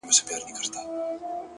دوى خو; له غمه څه خوندونه اخلي;